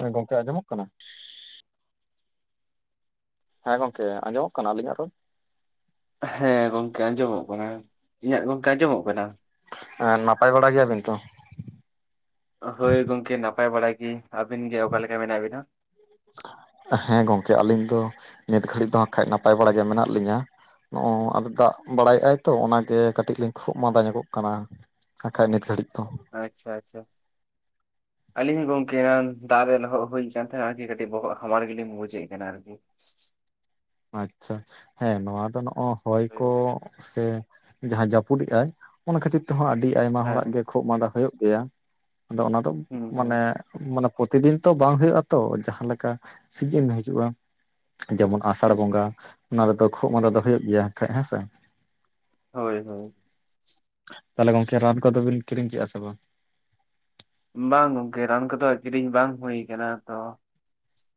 ᱦᱮᱸ ᱜᱚᱝᱠᱮ ᱟᱸᱡᱚᱢᱚᱜ ᱠᱟᱱᱟ [inaudible] ᱦᱮᱸ ᱜᱚᱝᱠᱮ ᱟᱸᱡᱚᱢᱚᱜ ᱠᱟᱱᱟ, ᱟᱹᱞᱤᱧᱟᱹᱜ ᱨᱚᱲ? ᱦᱮᱸ ᱜᱚᱝᱠᱮ ᱟᱸᱡᱚᱢᱚᱜ ᱠᱟᱱᱟ, ᱤᱧᱟᱹᱜ ᱜᱚᱝᱠᱮ ᱟᱸᱡᱚᱢᱚᱜ ᱠᱟᱱᱟ? ᱦᱮᱸ ᱱᱟᱯᱟᱭ ᱵᱟᱲᱟ ᱜᱮᱭᱟᱵᱤᱱ ᱛᱚ? ᱦᱳᱭ ᱜᱚᱝᱠᱮ ᱱᱟᱯᱟᱭ ᱵᱟᱲᱟ ᱜᱤᱧ, ᱟᱵᱤᱱ ᱜᱮ ᱚᱠᱟ ᱞᱮᱠᱟ ᱢᱮᱱᱟᱜ ᱵᱤᱱᱟ? ᱦᱮᱸ ᱜᱚᱢᱠᱮ ᱟᱹᱞᱤᱧ ᱫᱚ, ᱱᱤᱛ ᱜᱷᱟᱹᱲᱤᱡ ᱫᱚ ᱠᱷᱟᱡ ᱱᱟᱯᱟᱭ ᱵᱟᱲᱟ ᱜᱮ ᱢᱮᱱᱟᱜ ᱞᱤᱧᱟᱹ ᱾ ᱦᱚᱜ-ᱚ, ᱟᱫᱚ ᱫᱟᱜ ᱵᱟᱲᱟᱭᱮᱜ-ᱟᱭ ᱛᱚ ᱚᱱᱟᱜᱮ ᱠᱟᱹᱴᱤᱡ ᱞᱮ ᱠᱷᱩᱜ ᱢᱟᱸᱫᱟ ᱧᱚᱜᱚᱜ ᱠᱟᱱᱟ ᱾ ᱠᱟᱠᱷᱟ ᱜᱮ [unintelligible] ᱠᱷᱟᱹᱲᱤᱡ ᱫᱚ ᱟᱪᱪᱷᱟ ᱟᱪᱪᱷᱟ ᱟᱹᱞᱤᱧ ᱦᱚ ᱜᱚᱝᱠᱮᱭᱟᱱ, ᱫᱟᱜ ᱨᱮ ᱞᱚᱦᱚᱜ ᱦᱩᱭ ᱠᱟᱱ ᱛᱟᱦᱮᱭᱟ ᱟᱨ ᱠᱟᱹᱴᱤᱡ ᱵᱚᱦᱚᱜ ᱦᱟᱢᱵᱟᱞ ᱜᱮᱞᱤᱧ ᱵᱩᱡᱮᱜ ᱠᱟᱱᱟ᱾ [inaudible] ᱟᱪᱪᱷᱟ ᱦᱮᱸ ᱱᱚᱣᱟ ᱫᱚ ᱱᱚᱜ-ᱚ ᱦᱚᱭ ᱦᱳᱭ ᱠᱚ ᱥᱮᱼᱼ ᱡᱟᱦᱟᱸ ᱡᱟᱹᱯᱩᱫᱮᱜ-ᱟᱭ, ᱚᱱᱟ ᱠᱷᱟᱹᱛᱤᱨ ᱛᱮᱦᱚᱸ ᱟᱹᱰᱤ ᱟᱭᱢᱟ ᱦᱮᱸ ᱦᱚᱲᱟᱜ ᱜᱮ ᱠᱷᱩᱜ ᱢᱟᱸᱫᱟ ᱦᱩᱭᱩᱜ ᱜᱮᱭᱟ ᱾ ᱟᱫᱚ ᱚᱱᱟ ᱫᱚ ᱦᱩᱸ ᱦᱩᱸ ᱢᱟᱱᱮ ᱢᱟᱱᱮᱼᱼ ᱯᱩᱛᱤᱫᱤᱱ ᱛᱚ ᱵᱟᱝ ᱦᱩᱭᱩᱜ ᱟᱛᱚ, ᱡᱟᱦᱟᱸ ᱞᱮᱠᱟ ᱥᱤᱡᱤᱱ ᱦᱤᱡᱩᱜ-ᱟ ᱡᱮᱢᱚᱱᱼᱼ ᱟᱥᱟᱲ ᱦᱩᱸ ᱵᱚᱸᱜᱟ, ᱚᱱᱟ ᱨᱮᱫᱚ ᱠᱷᱩᱜ ᱢᱟᱸᱫᱟ ᱫᱚ ᱦᱩᱭᱩᱜ ᱜᱮᱭᱟ ᱠᱷᱟᱡ ᱦᱮᱸᱥᱮᱼᱼ ᱦᱳᱭ ᱦᱳᱭ ᱛᱦᱟᱞᱮ ᱜᱚᱝᱠᱮ ᱨᱟᱱ ᱠᱚᱫᱚ ᱵᱤᱱ ᱠᱤᱨᱤᱧ ᱠᱮᱜ-ᱟ ᱥᱮ ᱵᱟᱝ? ᱵᱟᱝ ᱜᱚᱝᱠᱮ ᱨᱟᱱ ᱠᱚᱫᱚ ᱠᱤᱨᱤᱧ ᱵᱟᱝ ᱦᱩᱭ ᱠᱟᱱᱟ ᱛᱚ ᱾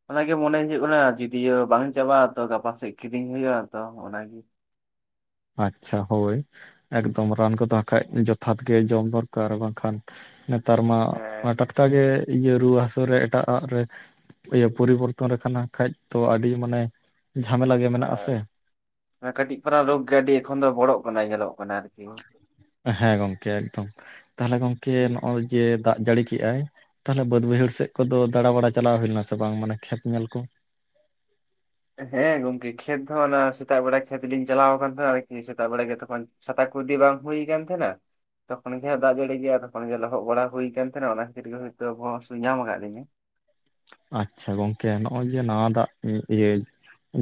ᱚᱱᱟᱜᱮ ᱢᱚᱱᱮ ᱦᱩᱭᱩᱜ ᱠᱟᱱᱟ ᱡᱩᱫᱤᱭᱳ ᱵᱟᱝ ᱪᱟᱵᱟᱜ-ᱟ, ᱛᱚ ᱜᱟᱯᱟ ᱥᱮᱫ ᱠᱤᱨᱤᱧ ᱦᱩᱭᱩᱜᱭᱼᱟ ᱛᱚ ᱚᱱᱟᱜᱮᱼᱼ ᱟᱪᱪᱷᱟ ᱦᱳᱭ ᱮᱠᱫᱚᱢ ᱨᱟᱱ ᱠᱚᱫᱚ ᱟᱠᱷᱟᱜ ᱜᱮ ᱡᱚᱛᱷᱟᱛ ᱜᱮ ᱡᱚᱢ ᱫᱚᱨᱠᱟᱨ ᱵᱟᱝᱠᱷᱟᱱᱼᱼ ᱛᱟᱨ ᱢᱟ ᱦᱮᱸ ᱴᱟᱴᱠᱟ ᱜᱮ ᱤᱭᱟᱹ ᱨᱩᱣᱟᱹ ᱦᱟᱹᱥᱩᱨᱮ ᱮᱴᱟᱜ-ᱟᱜ ᱨᱮᱼᱼ ᱤᱭᱟᱹ ᱯᱚᱨᱤᱵᱚᱨᱛᱚᱱᱮ ᱠᱟᱱᱟ ᱠᱷᱟᱡ ᱛᱚ, ᱟᱹᱰᱤ ᱢᱟᱱᱮ ᱡᱷᱟᱢᱮᱞᱟ ᱜᱮ ᱢᱮᱱᱟᱜ ᱟᱥᱮ ᱾ ᱠᱟᱹᱴᱤᱡ ᱯᱟᱨᱟ ᱨᱳᱜᱽ ᱜᱮ ᱟᱹᱰᱤ ᱮᱠᱷᱚᱱ ᱫᱚ ᱵᱚᱲᱚᱜ ᱠᱟᱱᱟ ᱧᱮᱞᱚᱜ ᱠᱟᱱᱟ ᱟᱨᱠᱤᱼᱼ ᱦᱮᱸ ᱜᱚᱝᱠᱮ ᱮᱠᱫᱚᱢ, ᱛᱟᱦᱞᱮ ᱜᱚᱝᱠᱮ ᱱᱚᱜ ᱚᱭ ᱡᱮ ᱫᱟᱜ ᱡᱟᱹᱲᱤ ᱠᱮᱜ-ᱟᱭ ᱛᱟᱦᱞᱮᱼᱼ ᱵᱟᱹᱫ ᱵᱟᱹᱭᱦᱟᱹᱲ ᱥᱮᱜ ᱠᱚᱫᱚ ᱫᱟᱬᱟ ᱵᱟᱲᱟ ᱪᱟᱞᱟᱣ ᱦᱩᱭᱱᱟ ᱥᱮ ᱵᱟᱝ ᱢᱟᱱᱮ ᱠᱷᱮᱛ ᱧᱮᱞ ᱠᱚ ᱾ ᱦᱮᱸ ᱜᱚᱜᱠᱮ ᱠᱷᱮᱛ ᱦᱚᱸ ᱚᱱᱟ ᱥᱮᱛᱟᱜ ᱵᱮᱲᱟᱧ ᱠᱷᱮᱛ ᱞᱤᱧ ᱪᱟᱞᱟᱣ ᱟᱠᱟᱱ ᱛᱟᱦᱮᱜ, ᱟᱨᱠᱤ ᱥᱮᱛᱟᱜ ᱵᱮᱲᱟ ᱜᱮ ᱛᱚᱠᱷᱚᱱᱼᱼ ᱪᱷᱟᱛᱟ ᱠᱚ ᱤᱫᱤ ᱵᱟᱝ ᱦᱩᱭ ᱠᱟᱱ ᱛᱟᱦᱮᱸᱱᱟ ᱾ ᱛᱚᱠᱷᱚᱱ ᱜᱮ ᱦᱟᱸᱜ ᱫᱟᱜ ᱡᱟᱹᱲᱤ ᱜᱮᱭᱟ ᱛᱚᱠᱷᱚᱱ ᱜᱮ ᱦᱟᱸᱜ ᱫᱟᱜ ᱡᱟᱲᱤ ᱜᱮ ᱟᱫᱚ ᱛᱚᱠᱷᱚᱱ ᱜᱮ ᱞᱚᱦᱚᱜ ᱵᱟᱲᱟ ᱦᱩᱭ ᱠᱟᱱ ᱛᱟᱸᱦᱮᱱᱟ ᱚᱱᱟ ᱠᱷᱟᱹᱛᱤᱨ ᱜᱮ ᱦᱚᱭᱛᱳ ᱵᱚᱦᱚᱜ ᱦᱟᱹᱥᱩ ᱧᱟᱢ ᱠᱟᱜ ᱞᱤᱧᱟ ᱾ ᱟᱪᱪᱷᱟ ᱜᱚᱝᱠᱮ ᱱᱚᱜᱼ-ᱚᱭ ᱡᱮ ᱱᱟᱣᱟ ᱫᱟᱜ ᱤᱭᱟᱹ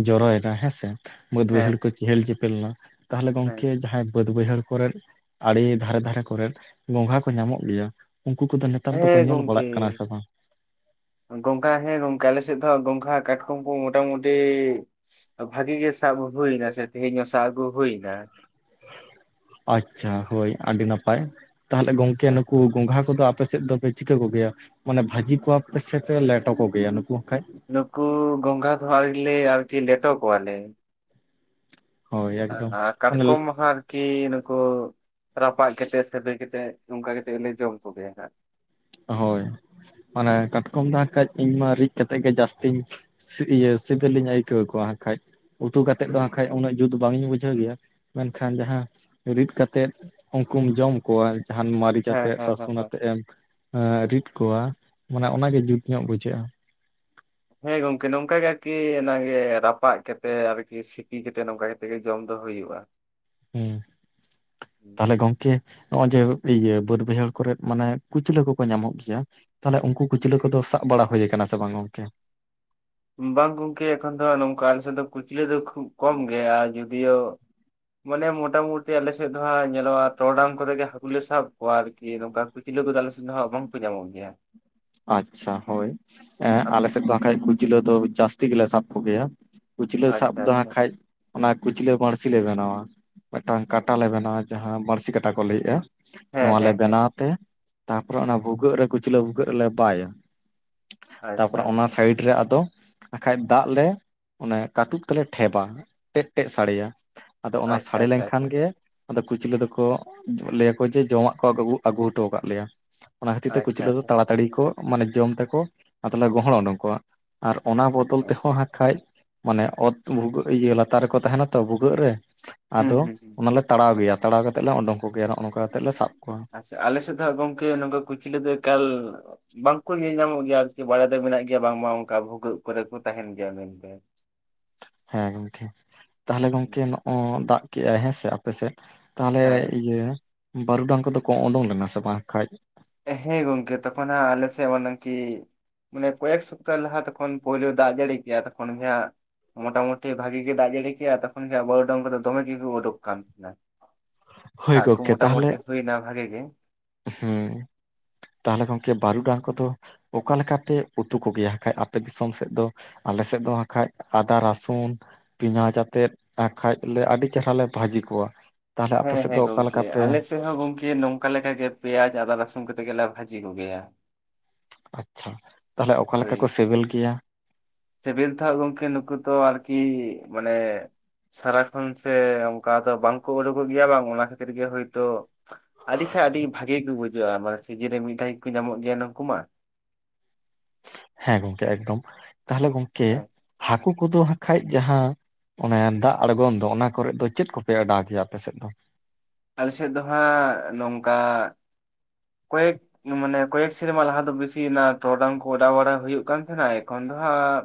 ᱡᱚᱨᱚᱭᱮᱫᱟ ᱦᱮᱸᱥᱮᱼᱼ ᱵᱟᱹᱫᱽ ᱦᱮᱸ ᱵᱟᱹᱭᱦᱟᱹᱲ ᱠᱚ ᱪᱮᱦᱮᱞ ᱪᱮᱯᱮᱞ ᱱᱟ, ᱛᱟᱦᱚᱞᱮ ᱦᱮᱸ ᱜᱚᱝᱠᱮ ᱡᱟᱦᱟᱸᱭ ᱵᱟᱹᱫᱽ ᱵᱟᱹᱭᱦᱟᱹᱲᱼᱼ ᱠᱚᱨᱮᱫ ᱟᱹᱲᱤ ᱫᱷᱟᱨᱮᱼᱫᱷᱟᱨᱮ ᱠᱚᱨᱮᱫ ᱜᱚᱝᱜᱷᱦᱟ ᱠᱚ ᱧᱟᱢᱚᱜ ᱜᱮᱭᱟ, ᱩᱝᱠᱩ ᱠᱚᱫᱚ ᱱᱤᱛ ᱛᱟᱨ ᱫᱚᱠᱚ ᱦᱮᱸ ᱧᱮᱞ ᱵᱟᱲᱟᱜ ᱠᱟᱱᱟ ᱥᱮ ᱵᱟᱝ? ᱜᱚᱝᱠᱮ ᱦᱮᱸ ᱜᱚᱝᱠᱮ ᱟᱞᱮ ᱥᱮᱜ ᱫᱚ ᱦᱟᱸᱜ ᱜᱚᱝᱜᱷᱦᱟ ᱠᱟᱴᱠᱚᱢ ᱠᱚ ᱢᱚᱴᱟᱼᱢᱩᱴᱤ ᱵᱷᱟᱜᱤ ᱜᱮ ᱥᱟᱵ ᱦᱩᱭᱱᱟ ᱥᱮ ᱛᱮᱦᱮᱧᱚᱜ ᱥᱟᱵ ᱟᱹᱜᱩ ᱦᱩᱭᱱᱟ᱾ ᱟᱪᱪᱷᱟ, ᱦᱳᱭ ᱟᱹᱰᱤ ᱱᱟᱯᱟᱭ᱾ ᱛᱟᱦᱚᱞᱮ ᱜᱚᱝᱠᱮ ᱱᱩᱠᱩ ᱜᱚᱝᱜᱷᱦᱟ ᱠᱚᱫᱚ ᱟᱯᱮ ᱥᱮᱫ ᱫᱚᱯᱮ ᱪᱤᱠᱟᱹ ᱠᱚ ᱜᱮᱭᱟ? ᱢᱟᱱᱮ ᱵᱷᱟᱹᱡᱤ ᱠᱚᱣᱟ ᱯᱮ ᱥᱮ ᱯᱮ ᱞᱮᱴᱚ ᱠᱚ ᱜᱮᱭᱟ ᱱᱩᱠᱩ ᱠᱷᱟᱡ᱾ ᱱᱩᱠᱩ ᱜᱚᱝᱜᱷᱟ ᱫᱚ ᱦᱟᱜ ᱟᱨᱤ ᱞᱮ ᱟᱨ ᱠᱤ ᱞᱮᱴᱚ ᱠᱚᱣᱟ ᱞᱮ᱾ ᱦᱳᱭ ᱮᱠᱫᱚᱢ ᱟ ᱢᱟᱱᱮ ᱠᱟᱴᱠᱚᱢ ᱦᱟᱸᱨ ᱠᱮ ᱱᱩᱠᱩ ᱨᱟᱯᱟᱜ ᱠᱮᱛᱮᱜ ᱥᱮᱵᱮ ᱠᱮᱛᱮᱜ ᱱᱚᱝᱠᱟ ᱠᱮᱛᱮᱜ ᱞᱮ ᱡᱚᱢ ᱠᱚᱜᱮᱭᱟ ᱦᱟᱸᱜ᱾ ᱦᱳᱭ, ᱢᱟᱱᱮ ᱠᱟᱴᱠᱚᱢ ᱫᱚ ᱦᱟᱜᱠᱷᱟᱡ ᱤᱧ ᱢᱟ ᱨᱤᱫ ᱠᱟᱛᱮᱜ ᱜᱮ ᱡᱟᱹᱥᱛᱤᱧ ᱥᱤ ᱤᱭᱟᱹ ᱥᱤᱵᱤᱞᱤᱧ ᱟᱹᱭᱠᱟᱹᱣ ᱠᱚᱣᱟ ᱦᱟᱸᱠᱷᱟᱡ᱾ ᱩᱛᱩ ᱠᱟᱛᱮᱜ ᱫᱚ ᱦᱟᱸᱜ ᱠᱷᱟᱡ ᱩᱱᱟᱹᱜ ᱡᱩᱛ ᱵᱟᱝ ᱤᱧ ᱵᱩᱡᱷᱟᱹᱣ ᱜᱮᱭᱟ, ᱢᱮᱱᱠᱷᱟᱱ ᱡᱟᱦᱟᱸ ᱨᱤᱫ ᱠᱟᱛᱮᱫ ᱩᱱᱠᱩᱢ ᱡᱚᱢ ᱠᱚᱣᱟ ᱡᱟᱦᱟᱱ ᱢᱟᱹᱨᱤᱪ ᱦᱮᱸ ᱟᱛᱮ ᱦᱮᱸ ᱦᱮᱸ ᱨᱟᱥᱩᱱ ᱦᱮᱸ ᱟᱛᱮᱜ ᱮᱢ ᱮᱸ ᱨᱤᱫ ᱠᱚᱣᱟ ᱢᱟᱱᱮ ᱚᱱᱟᱜᱮ ᱡᱩᱛ ᱧᱚᱜ ᱵᱩᱡᱷᱟᱹᱜᱼᱟ᱾ ᱦᱮᱸ ᱜᱚᱝᱠᱮ ᱱᱚᱝᱠᱟ ᱜᱮ ᱟᱨᱠᱤ ᱚᱱᱟᱜᱮ ᱨᱟᱯᱟᱜ ᱠᱮᱛᱮᱜ ᱟᱨᱠᱤ ᱥᱤᱯᱤ ᱠᱮᱛᱮ ᱱᱚᱝᱠᱟ ᱜᱮ᱾ ᱛᱮᱜᱮ ᱡᱚᱢ ᱫᱚ ᱦᱩᱭᱩᱜᱼᱟ᱾ ᱦᱩᱸ ᱛᱟᱦᱞᱮ ᱜᱚᱝᱠᱮ ᱱᱚᱜᱼᱚᱭ ᱡᱮ ᱤᱭᱟᱹ ᱵᱟᱹᱫᱽᱼᱵᱟᱹᱭᱦᱟᱹᱲ ᱠᱚᱨᱮᱫ ᱢᱟᱱᱮ ᱠᱩᱪᱞᱟᱹ ᱠᱚᱠᱚ ᱧᱟᱢᱚᱜ ᱜᱮᱭᱟ᱾ ᱛᱟᱦᱚᱮ ᱩᱝᱠᱩ ᱠᱩᱪᱞᱟᱹ ᱠᱚᱫᱚ ᱥᱟᱵ ᱵᱟᱲᱟ ᱦᱩᱭ ᱠᱟᱱᱟ ᱥᱮ ᱵᱟᱝ ᱜᱚᱝᱠᱮ? ᱵᱟᱝ ᱜᱚᱝᱠᱮ ᱮᱠᱷᱚᱱ ᱫᱚ ᱱᱚᱝᱠᱟ ᱟᱞᱮᱥᱮ ᱫᱚ ᱠᱩᱪᱞᱟᱹ ᱫᱚ ᱠᱷᱩᱵ ᱠᱚᱢ ᱜᱮᱭᱟ, ᱟᱨ ᱡᱩᱫᱤᱭᱳ ᱢᱟᱱᱮ ᱢᱚᱴᱟᱼᱢᱩᱴᱤ ᱟᱞᱮᱥᱮᱜ ᱫᱚᱦᱟᱜ ᱧᱮᱞᱚᱜᱼᱟ ᱴᱚᱨᱚᱰᱟᱝ ᱠᱚᱨᱮ ᱜᱮ ᱦᱟᱠᱩ ᱞᱮ ᱥᱟᱵ ᱠᱚᱣᱟ ᱟᱨᱠᱤ ᱱᱚᱠᱟ᱾ ᱠᱩᱪᱞᱟᱹ ᱠᱚᱫᱚ ᱟᱞᱮ ᱥᱮᱱ ᱫᱚ ᱦᱟᱸᱜ ᱵᱟᱝ ᱠᱚ ᱧᱟᱢᱚᱜ ᱜᱮᱭᱟ᱾ ᱟᱪᱪᱷᱟ ᱦᱳᱭ ᱮ ᱟᱞᱮ ᱥᱮᱫ ᱫᱚ ᱦᱟᱸᱠᱷᱟᱡ ᱠᱩᱪᱞᱟᱹ ᱫᱚ ᱡᱟᱹᱥᱛᱤ ᱜᱮᱞᱮ ᱥᱟᱵ ᱠᱚ ᱜᱮᱭᱟ᱾ ᱠᱩᱪᱞᱟᱹ ᱥᱟᱵ ᱟᱪᱪᱷᱟ ᱫᱚ ᱟᱪᱪᱷᱟ ᱦᱟᱸᱠᱷᱟᱡ ᱚᱱᱟ ᱠᱩᱪᱞᱟᱹ ᱵᱟᱲᱥᱤ ᱞᱮ ᱵᱮᱱᱟᱣᱟ ᱢᱮᱜᱴᱟᱝ ᱠᱟᱴᱟᱞᱮ ᱵᱮᱱᱟᱣᱟ ᱡᱟᱦᱟᱸ ᱵᱟᱹᱲᱥᱤ ᱠᱟᱴᱟ ᱠᱚ ᱞᱟᱹᱭ ᱮᱼᱟ᱾ ᱦᱮᱸ ᱱᱚᱣᱟ ᱞᱮ ᱦᱮᱸ ᱦᱮᱸ ᱵᱮᱱᱟᱣ ᱦᱮᱸ ᱛᱮ ᱛᱟᱯᱚᱨᱮ ᱚᱱᱟ ᱵᱷᱩᱜᱟᱹᱜ ᱨᱮ ᱠᱩᱪᱞᱟᱹ ᱵᱷᱩᱜᱟᱹᱜ ᱨᱮᱞᱮ ᱵᱟᱭᱟ ᱟᱪᱪᱷᱟ ᱛᱟᱯᱚᱨᱮ ᱚᱱᱟ ᱟᱪᱪᱷᱟ ᱥᱟᱭᱤᱰ ᱨᱮ ᱟᱫᱚ ᱟᱠᱷᱟᱡ ᱫᱟᱜ ᱞᱮ ᱚᱱᱮ ᱠᱟᱹᱴᱩᱵ ᱛᱮᱞᱮ ᱴᱷᱮᱵᱟ᱾ ᱴᱮᱡᱼᱴᱮᱡ ᱥᱟᱲᱮᱭᱟ ᱟᱫᱚ ᱚᱱᱟ ᱟᱪᱪᱷᱟ ᱥᱟᱲᱮ ᱟᱪᱪᱷᱟ ᱞᱮᱱᱠᱷᱟᱱ ᱟᱪᱪᱷᱟ ᱜᱮ ᱟᱫᱚ ᱠᱩᱪᱞᱟᱹ ᱫᱚᱠᱚ ᱞᱟᱹᱭᱟ ᱠᱚ ᱡᱮ ᱡᱚᱢᱟᱜ ᱠᱚ ᱟᱠ-ᱟᱜᱩ ᱟᱹᱜᱩ ᱦᱚᱴᱚᱣ ᱠᱟᱜ ᱞᱮᱭᱟ, ᱚᱱᱟ ᱠᱷᱟᱹᱛᱤᱨ ᱛᱮ ᱟᱪᱪᱷᱟ ᱠᱩᱪᱞᱟᱹ ᱟᱪᱪᱷᱟ ᱟ ᱛᱟᱹᱲᱤ ᱠᱚ ᱢᱟᱱᱮ ᱡᱚᱢ ᱛᱮᱠᱚ ᱟᱫᱚ ᱞᱮ ᱜᱚᱦᱚᱸᱲ ᱩᱰᱩᱝ ᱠᱚᱣᱟ, ᱟᱨ ᱚᱱᱟ ᱵᱚᱫᱚᱞ ᱟᱪᱪᱷᱟ ᱟᱪᱪᱷᱟ ᱛᱮᱦᱚᱸ ᱦᱟ ᱠᱷᱟᱡ ᱢᱟᱱᱮ ᱚᱛ ᱵᱷᱩᱜᱟᱹᱜ ᱤᱭᱟᱹ ᱞᱟᱛᱟᱨ ᱨᱮᱠᱚ ᱛᱟᱦᱮᱱᱟ ᱛᱚ ᱵᱷᱩᱜᱟᱹᱜ ᱨᱮ, ᱦᱩᱸ ᱟᱫᱚ ᱦᱩᱸ ᱦᱩᱸ ᱚᱱᱟ ᱞᱮ ᱛᱟᱲᱟᱣ ᱜᱮᱭᱟ ᱛᱟᱲᱟᱣ ᱠᱟᱛᱮᱜ ᱞᱮ ᱳᱰᱳᱝ ᱠᱚ ᱜᱮᱭᱟ, ᱱᱚᱜᱼᱚ ᱱᱚᱝᱠᱟ ᱠᱟᱛᱮ ᱞᱮ ᱥᱟᱵ ᱠᱚᱣᱟ᱾ ᱟᱞᱮ ᱥᱮᱫ ᱫᱚ ᱜᱚᱝᱠᱮ ᱱᱩᱝᱠᱩ ᱠᱩᱪᱞᱟ. ᱫᱚ ᱮᱠᱟᱞ ᱵᱟᱝᱠᱚ ᱧᱮᱞ ᱧᱟᱢᱚᱜ ᱜᱮᱭᱟ ᱟᱨᱠᱤ ᱵᱟᱲᱟᱭ ᱫᱚ ᱢᱮᱱᱟᱜ ᱜᱮᱭᱟ ᱵᱟᱝᱢᱟ ᱚᱝᱠᱟ ᱵᱷᱩᱜᱟᱹᱜ ᱠᱚᱨᱮ ᱠᱚ ᱛᱟᱦᱮᱱ ᱜᱮᱭᱟ ᱢᱮᱱᱛᱮ᱾ ᱦᱮᱸ ᱜᱚᱢᱠᱷᱮ ᱛᱟᱦᱚᱞᱮ ᱜᱚᱝᱠᱮ ᱱᱚᱜᱼᱚᱭ ᱫᱟᱜ ᱠᱮᱜᱼᱟᱭ ᱦᱮᱸ ᱥᱮ ᱟᱯᱮ ᱥᱮᱫ᱾ ᱛᱟᱦᱚᱞᱮ ᱦᱮᱸ ᱤᱭᱟᱹ ᱵᱟᱹᱨᱩᱰᱟᱝ ᱠᱚᱫᱚ ᱠᱚ ᱳᱸᱰᱳᱝ ᱞᱮᱱᱟ ᱥᱮ ᱵᱟᱝ ᱠᱟᱡ? ᱦᱮᱸ ᱜᱚᱢᱠᱮ, ᱛᱚᱠᱷᱚᱱ ᱦᱟᱸ ᱟᱞᱮ ᱥᱮᱜ ᱢᱟᱱᱮ ᱠᱤ ᱢᱟᱱᱮ ᱠᱚᱭᱮᱠ ᱥᱚᱯᱛᱟ ᱞᱟᱦᱟ ᱛᱚᱠᱷᱚᱱ ᱯᱳᱭᱞᱳ ᱫᱟᱜ ᱡᱟᱹᱲᱤ ᱠᱮᱼᱟ ᱛᱚᱠᱷᱚᱱ ᱦᱮᱭᱟ ᱢᱚᱴᱟᱼᱢᱩᱴᱤ ᱵᱷᱟᱜᱤ ᱜᱮ ᱫᱟᱜ ᱡᱟᱹᱲᱤ ᱠᱮᱜᱼᱟ ᱛᱚᱠᱷᱚᱱ ᱜᱮ ᱦᱟᱸᱜ ᱵᱟᱨᱩᱜᱰᱟᱝ ᱠᱚᱫᱚ ᱫᱚᱢᱮ ᱜᱤ ᱠᱚ ᱚᱰᱳᱠ ᱠᱟᱱ ᱛᱟᱦᱮᱸᱱᱟ᱾ ᱦᱳᱭ ᱦᱟᱜᱠᱩ ᱜᱚᱝᱠᱮ ᱛᱟᱦᱚᱞᱮ ᱢᱳᱴᱟᱼᱢᱩᱴᱤ ᱦᱩᱭᱱᱟ ᱵᱷᱟᱞᱮ ᱜᱮ᱾ ᱦᱩᱸ, ᱛᱟᱦᱚᱞᱮ ᱜᱚᱝᱠᱮ ᱵᱟᱨᱩᱰᱟᱝ ᱠᱚᱫᱚ ᱚᱠᱟ ᱞᱮᱠᱟ ᱯᱮ ᱩᱛᱩ ᱠᱚᱜᱮᱭᱟ ᱦᱟᱸᱠᱷᱟᱡ ᱟᱯᱮ ᱫᱤᱥᱚᱢ ᱥᱮᱜ ᱫᱚ? ᱟᱞᱮ ᱥᱮᱜ ᱫᱚ ᱦᱟᱸᱠᱷᱟᱡ ᱟᱫᱟ, ᱨᱟᱥᱩᱱ ᱯᱮᱸᱭᱟᱡᱽ ᱟᱛᱮᱫ ᱟᱸᱠᱷᱟᱡ ᱞᱮ ᱟᱹᱰᱤ ᱪᱮᱨᱦᱟ ᱞᱮ ᱵᱷᱟᱡᱤ ᱠᱚᱣᱟ᱾ ᱛᱟᱦᱚᱞᱮ ᱟᱯᱮ ᱦᱮᱸ ᱥᱮᱫ ᱫᱚ ᱦᱮᱸ ᱚᱠᱟ ᱞᱮᱠᱟ ᱜᱚᱝᱠᱮ ᱯᱮ ᱟᱞᱮ ᱥᱮᱜ ᱦᱚᱸ ᱜᱚᱢᱠᱮ ᱱᱚᱝ ᱠᱟ ᱞᱮᱠᱟᱜᱮ ᱯᱮᱭᱟᱪ, ᱟᱫᱟ, ᱨᱟᱹᱥᱩᱱ ᱠᱟᱛᱮ ᱜᱮᱞᱮ ᱵᱷᱟᱡᱤ ᱠᱩ ᱜᱮᱭᱟ᱾ ᱟᱪᱪᱷᱟ, ᱛᱟᱦᱚᱞᱮ ᱚᱠᱟ ᱞᱮᱠᱟ ᱦᱳᱭ ᱠᱚ ᱥᱮᱵᱮᱞ ᱜᱮᱭᱟ? ᱥᱤᱵᱤᱞ ᱛᱚ ᱦᱟᱸᱜ ᱜᱚᱝᱠᱮ ᱱᱩᱠᱩ ᱛᱚ ᱟᱨᱠᱤ ᱢᱟᱱᱮ ᱥᱟᱨᱟ ᱠᱷᱚᱱ ᱥᱮ ᱚᱝᱠᱟ ᱫᱚ ᱵᱟᱝᱠᱚ ᱩᱰᱳᱠᱚᱜ ᱜᱮᱭᱟ ᱵᱟᱝ, ᱚᱱᱟ ᱠᱷᱟᱹᱛᱤᱨ ᱜᱮ ᱦᱳᱭᱛᱳ ᱟᱹᱰᱤᱪᱷᱟ ᱟᱹᱰᱤ ᱵᱷᱟᱜᱤ ᱜᱮ ᱵᱩᱡᱟᱹᱜᱼᱟ ᱢᱟᱱᱮ ᱥᱤᱡᱤᱱ ᱨᱮ ᱢᱤᱫ ᱫᱷᱟᱣ ᱜᱮᱠᱚ ᱧᱟᱢᱚᱜ ᱜᱮᱭᱟ ᱱᱩᱠᱩ ᱢᱟ ᱦᱮᱸ ᱜᱚᱢᱠᱮ ᱮᱠᱫᱚᱢ ᱛᱟᱦᱚᱞᱮ ᱜᱚᱢᱠᱮ ᱦᱮᱸ ᱦᱟᱹᱠᱩ ᱠᱚᱫᱚ ᱦᱟᱠᱷᱟᱡ ᱡᱟᱦᱟᱸ ᱚᱱᱮ ᱫᱟᱜ ᱟᱲᱜᱚᱱ ᱫᱚ ᱚᱱᱟ ᱠᱚᱨᱮᱫ ᱫᱚ ᱪᱮᱫ ᱠᱚᱯᱮ ᱚᱰᱟᱣ ᱠᱮᱭᱟ ᱟᱯᱮᱥᱮᱫ ᱫᱚ? ᱟᱞᱮᱥᱮᱫ ᱫᱚ ᱦᱟᱸᱜ ᱱᱚᱝᱠᱟ ᱠᱚᱭᱮᱠ ᱢᱟᱱᱮ ᱠᱚᱭᱮᱠ ᱥᱮᱨᱢᱟ ᱞᱟᱦᱟ ᱫᱚ ᱵᱤᱥᱤ ᱴᱚᱨᱚᱰᱟᱝ ᱠᱚ ᱚᱰᱟᱣ ᱵᱟᱲᱟ ᱦᱩᱭᱩᱜ ᱠᱟᱱ ᱛᱟᱦᱮᱸᱱᱟ ᱮᱠᱷᱚᱱ ᱫᱚ ᱦᱟᱸᱜ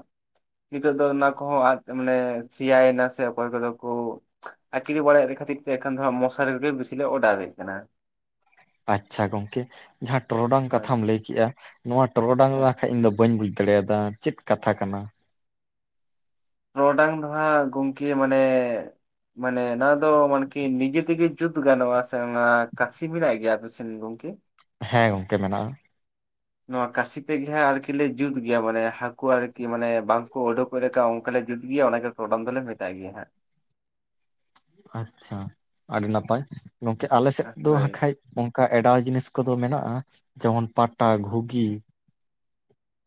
ᱱᱤᱛᱚᱜ ᱫᱚ ᱚᱱᱟ ᱠᱚᱦᱚᱸ ᱟᱫ ᱢᱟᱱᱮ ᱥᱮᱭᱟᱭᱮᱱᱟ ᱥᱮ ᱚᱠᱚᱭ ᱠᱚᱫᱚ ᱠᱚ ᱟᱹᱠᱷᱨᱤ ᱵᱟᱲᱟᱭᱮᱫ ᱠᱷᱟᱹᱛᱤᱨ ᱛᱮ ᱮᱠᱷᱮᱱ ᱫᱚ ᱦᱟᱸ ᱢᱚᱥᱟᱨᱤᱜᱮ ᱵᱤᱥᱤ ᱞᱮ ᱚᱰᱟᱣᱮᱜ ᱠᱟᱱᱟ ᱟᱪᱪᱷᱟ ᱜᱚᱢᱠᱮ ᱡᱟᱦᱟᱸ ᱴᱚᱨᱚᱰᱟᱝ ᱦᱳᱭ ᱠᱟᱛᱷᱟᱢ ᱞᱟᱹᱭ ᱠᱮᱜᱼᱟ ᱱᱚᱣᱟ ᱴᱚᱨᱚᱰᱟᱝ ᱦᱮᱸ ᱱᱟᱠᱷᱟᱡ ᱤᱧ ᱫᱚ ᱵᱟᱹᱧ ᱵᱩᱡ ᱫᱟᱲᱮᱭᱟᱫᱟ ᱪᱮᱫ ᱠᱟᱛᱷᱟ ᱠᱟᱱᱟ? ᱴᱚᱨᱚᱰᱟᱝ ᱫᱚ ᱦᱟᱜ ᱜᱚᱢᱠᱮ ᱢᱟᱱᱮ ᱢᱟᱱᱮ ᱱᱚᱣᱟ ᱫᱚ ᱢᱟᱱᱠᱤ ᱱᱤᱡᱮ ᱛᱮᱜᱮ ᱡᱩᱛ ᱜᱟᱱᱚᱜᱼᱟ ᱥᱮ ᱚᱱᱟ ᱠᱟᱥᱤ ᱢᱮᱱᱟᱜ ᱜᱮᱭᱟ ᱟᱯᱮᱥᱮᱫ ᱜᱚᱢᱠᱮ? ᱦᱮᱸ ᱜᱚᱢᱠᱮ ᱢᱮᱱᱟᱜᱼᱟ ᱱᱚᱣᱟ ᱠᱟᱥᱤ ᱛᱮᱜᱮ ᱦᱟᱸᱜ ᱟᱨᱠᱤᱞᱮ ᱡᱩᱛ ᱜᱮᱭᱟ ᱢᱟᱱᱮ ᱦᱟᱠᱩ ᱟᱨᱠᱤ ᱢᱟᱱᱮ ᱵᱟᱝᱠᱚ ᱚᱰᱚᱠ ᱯᱚᱨᱮᱛᱮ ᱚᱝᱠᱟ ᱞᱮ ᱡᱩᱫ ᱜᱮᱭᱟ ᱚᱱᱟᱜᱮ ᱴᱚᱨᱚᱰᱟᱝ ᱫᱚᱞᱮ ᱢᱮᱛᱟᱜ ᱜᱮᱭᱟ ᱦᱟᱸ ᱟᱪᱪᱷᱟ ᱟᱹᱰᱤ ᱱᱟᱯᱟᱭ ᱜᱚᱝᱠᱮ ᱟᱞᱮᱥᱮᱫ ᱫᱚ ᱦᱳᱭ ᱦᱟᱠᱷᱟᱡ ᱚᱱᱠᱟ ᱮᱰᱟᱣ ᱡᱤᱱᱤᱥ ᱠᱚᱫᱚ ᱢᱮᱱᱟᱜᱼᱟ ᱡᱮᱢᱚᱱ ᱯᱟᱴᱟ ᱜᱷᱩᱜᱤ